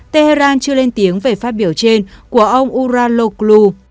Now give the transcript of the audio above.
tehran chưa lên tiếng về phát biểu trên của ông diouraloglu